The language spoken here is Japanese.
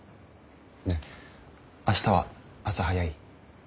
ねえ明日は朝早い？